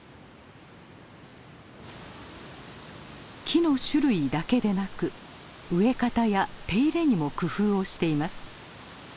木の種類だけでなく植え方や手入れにも工夫をしています。